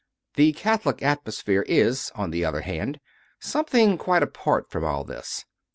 The Catholic atmosphere is, on the other hand, something quite apart from all this.